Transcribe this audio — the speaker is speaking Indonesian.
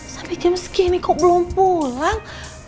sampai jam segini kok belum pulang